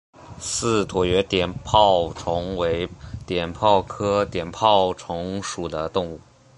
似椭圆碘泡虫为碘泡科碘泡虫属的动物。